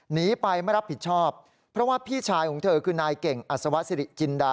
หนีไปไม่รับผิดชอบเพราะว่าพี่ชายของเธอคือนายเก่งอัศวสิริจินดา